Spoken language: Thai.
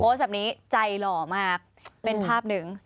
แบบนี้ใจหล่อมากเป็นภาพหนึ่ง